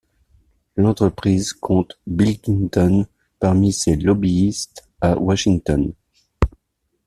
L'entreprise compte Bill Clinton parmi ses lobbyistes à Washington.